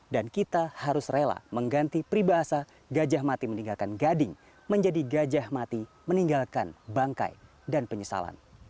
dan kita harus rela mengganti peribahasa gajah mati meninggalkan gading menjadi gajah mati meninggalkan bangkai dan penyesalan